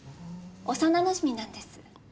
幼なじみなんです。